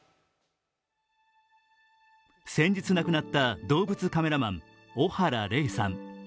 先日亡くなった動物カメラマン・小原玲さん。